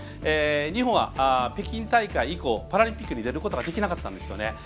日本は北京大会以降パラリンピックに出ることができなかったんですよね。